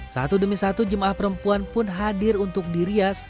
satu demi satu jemaah perempuan pun hadir untuk dirias